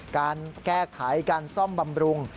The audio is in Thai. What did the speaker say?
การแก้ไขการซ่อมบำรุง